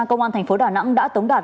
công an thành phố đà nẵng đã tống đạt